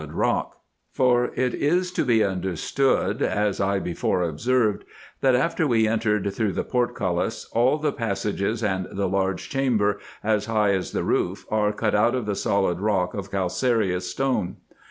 RESEARCHES AND OPERATIONS rock ; for it is to be understood, as I before observed, that, after we entered through the portcullis, all the passages, and the large chamber, as high as the roof, are cut out of the solid rock of cal careous stone.